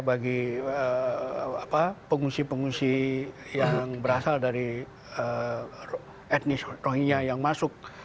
bagi pengungsi pengungsi yang berasal dari etnis rohinya yang masuk